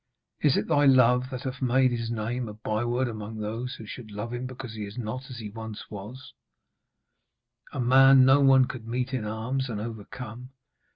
Is it thy love that hath made his name a byword among those who should love him because he is not as he once was a man no one could meet in arms and overcome?